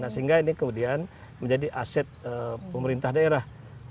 sehingga ini kemudian menjadi aset pemerintah daerah